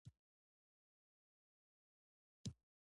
زرغونه د ښاپيرې خور ده او د زرلښتی د ترور لور ده